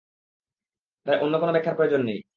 তাই অন্য কোন ব্যাখ্যার প্রয়োজন নেই।